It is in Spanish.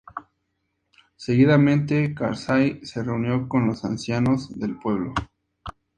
Seguidamente, Karzai se reunió con los ancianos del pueblo.